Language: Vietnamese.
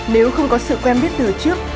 nếu không có sự quen biết từ trước